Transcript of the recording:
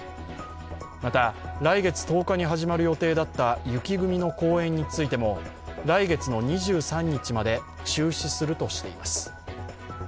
また、来月１０日に始まる予定だった雪組の公演についても来月２３日まで中止するとしています。